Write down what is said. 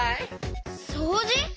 そうじ？